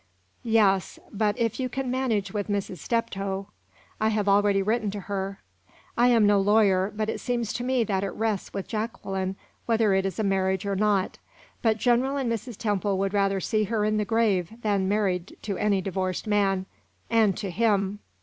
"Yes. But if you can manage with Mrs. Steptoe " "I have already written to her." "I am no lawyer, but it seems to me that it rests with Jacqueline whether it is a marriage or not. But General and Mrs. Temple would rather see her in her grave than married to any divorced man and to him!"